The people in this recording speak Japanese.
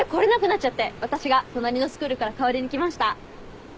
私が隣のスクールから代わりに来ました。